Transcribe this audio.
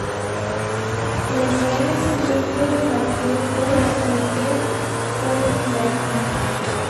Le fue concedido el marquesado de Saliquet por el general Franco.